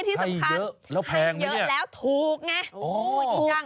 ที่สำคัญให้เยอะแล้วถูกไงถูกมากแล้วแพงนี่เนี่ย